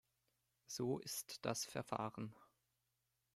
So ist das Verfahren.